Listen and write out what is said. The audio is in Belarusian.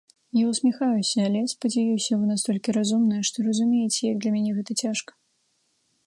Я ўсміхаюся, але, спадзяюся, вы настолькі разумныя, што разумееце, як для мяне гэта цяжка.